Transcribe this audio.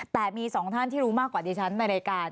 แต่มีสองท่านที่รู้มากกว่าดิฉันในรายการ